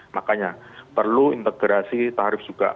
makanya perlu integrasi tarif juga